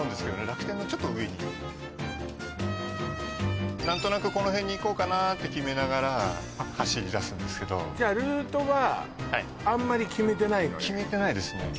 楽天のちょっと上に何となくこの辺に行こうかなって決めながら走りだすんですけどじゃあルートはあんまり決めてないのね決めてないですね